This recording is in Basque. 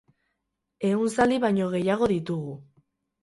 Ehun zaldi baino gehiago ditugu.